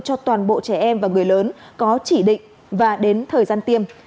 cho toàn bộ trẻ em và người lớn có chỉ định và đến thời gian tiêm